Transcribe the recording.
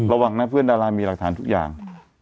ระวังนะเพื่อนดารามีหลักฐานทุกอย่าง